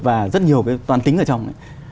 và rất nhiều cái toàn tính ở trong